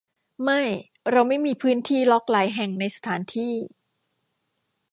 ไม่เราไม่มีพื้นที่ล็อคหลายแห่งในสถานที่